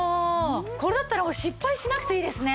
これだったら失敗しなくていいですね。